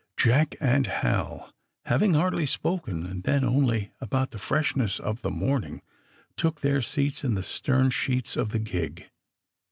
Jack and Hal, having hardly spoken, and then only about the freshness of the morning, took their seats in the stern sheets of the gig.